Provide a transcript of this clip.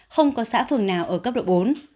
không có xã phường nào ở cấp độ bốn